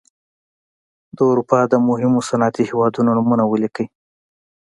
د اروپا د مهمو صنعتي هېوادونو نومونه ولیکئ.